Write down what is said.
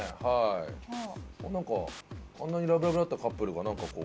何かあんなにラブラブだったカップルが何かこう。